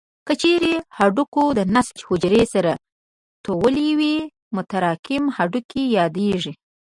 که چیرې هډوکو د نسج حجرې سره ټولې وي متراکم هډوکي یادېږي.